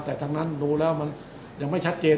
แต่ทั้งนั้นดูแล้วมันยังไม่ชัดเจน